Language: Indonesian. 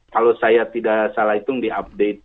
kalau saya tidak salah hitung di update